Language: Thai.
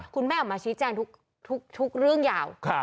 คุณแม่ออกมาชี้แจงทุกทุกทุกเรื่องยาวครับ